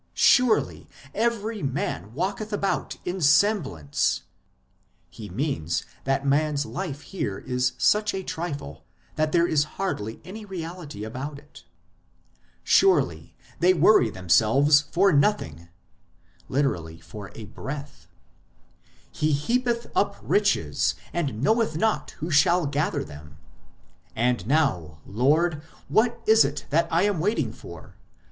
Surely every man walketh about in semblance [he means that man s life here is such a trifle that there is hardly any reality about it] ; surely they worry themselves for nothing [lit. for a breath] ; he heapeth up (riches), and knoweth not who shall gather them. And now, Lord, what is it that I am waiting for